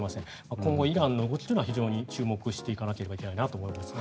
今後、イランの動きというのは非常に注目していかなければいけないと思います。